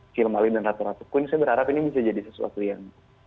kilmali dan ratu ratu queen saya berharap ini bisa jadi sesuatu yang